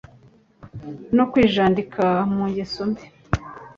no kwijandika mu ngeso mbi